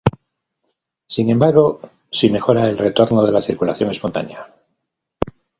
Sin embargo, sí mejora el retorno de la circulación espontánea.